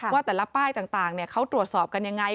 ว่าแต่ละป้ายต่างเขาตรวจสอบกันยังไง